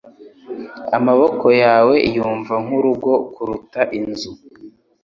Amaboko yawe yumva ari nk'urugo kuruta inzu